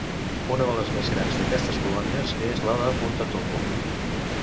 Una de les més grans d'aquestes colònies és la de Punta Tombo.